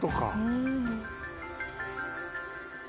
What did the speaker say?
「うん」